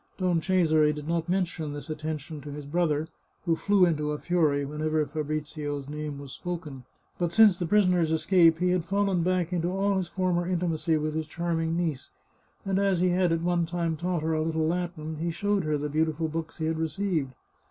Don Cesare did not mention this attention to his brother, who flew into a fury whenever Fabrizio's name was spoken. But since the prisoner's escape he had fallen back into all his former intimacy with his charming niece, and as he had at one time taught her a little Latin, he showed her the beau tiful books he had received.